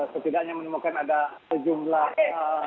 setidaknya menemukan ada sejumlah